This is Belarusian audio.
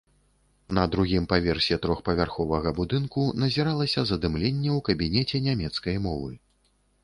На другім паверсе трохпавярховага будынку назіралася задымленне ў кабінеце нямецкай мовы.